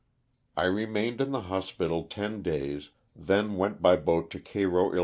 I remained in the hospital ten days, then went by boat to Cairo, HI.